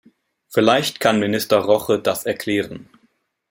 Vielleicht kann Minister Roche das erklären.